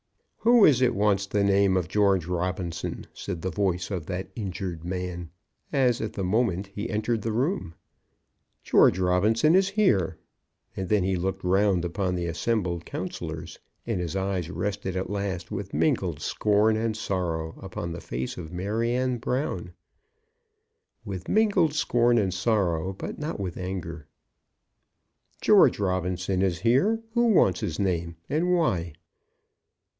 "Who is it wants the name of George Robinson?" said the voice of that injured man, as at the moment he entered the room. "George Robinson is here." And then he looked round upon the assembled councillors, and his eyes rested at last with mingled scorn and sorrow upon the face of Maryanne Brown; with mingled scorn and sorrow, but not with anger. "George Robinson is here; who wants his name? and why?"